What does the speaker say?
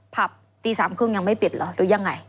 พับตีสามครึ่งยังไม่ปิดหรือยังไง